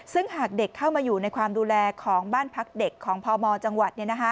ซึ่งหากเด็กเข้ามาอยู่ในความดูแลของบ้านพักเด็กของพมจังหวัด